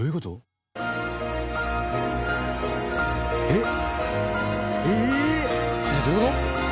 えっ？